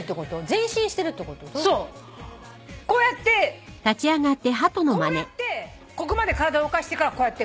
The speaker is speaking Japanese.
こうやってここまで体を動かしてからこうやって。